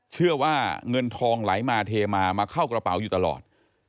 เชื่อว่าเงินทองไหลมาเทมามาเข้ากระเป๋าอยู่ตลอด